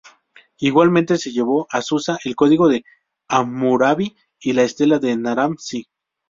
Igualmente se llevó a Susa el código de Hammurabi y la estela de Naram-Sin.